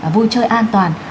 vui chơi an toàn